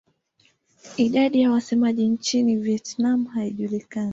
Idadi ya wasemaji nchini Vietnam haijulikani.